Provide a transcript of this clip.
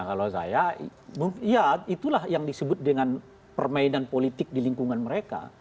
kalau saya ya itulah yang disebut dengan permainan politik di lingkungan mereka